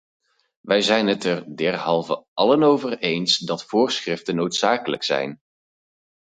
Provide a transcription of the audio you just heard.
Wij zijn het er derhalve allen over eens dat voorschriften noodzakelijk zijn.